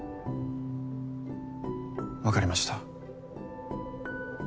わかりました。